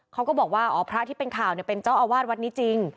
เขาก็บอกว่าอ๋อพระที่เป็นข่าวเป็นเจ้าอาวาสวัดนี้จริง